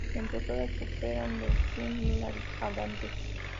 Entre todas superan los cien mil hablantes.